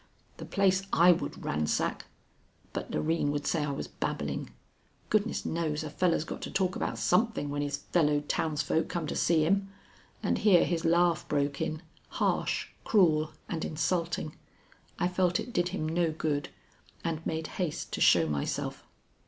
The place I would ransack But Loreen would say I was babbling. Goodness knows a fellow's got to talk about something when his fellow townsfolk come to see him." And here his laugh broke in, harsh, cruel, and insulting. I felt it did him no good, and made haste to show myself.